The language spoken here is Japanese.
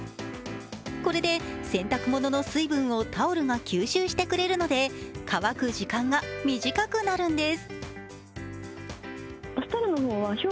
これで洗濯物の水分をタオルが吸収してくれるので乾く時間が短くなるんです。